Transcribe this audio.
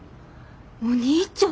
お兄ちゃん？